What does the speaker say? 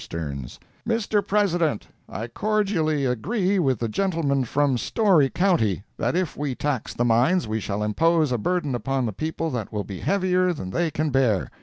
Sterns—"Mr. President, I cordially agree with the gentleman from Storey county, that if we tax the mines we shall impose a burden upon the people that will be heavier than they can bear.